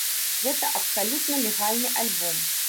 Гэта абсалютна легальны альбом.